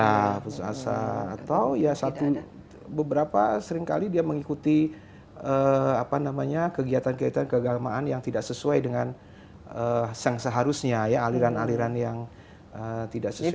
ya putus asa atau ya satu beberapa seringkali dia mengikuti apa namanya kegiatan kegiatan keagamaan yang tidak sesuai dengan seharusnya ya aliran aliran yang tidak sesuai dengan